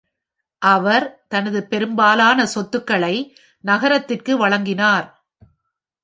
அவர் தனது பெரும்பாலான சொத்துக்களை நகரத்திற்கு வழங்கினார்.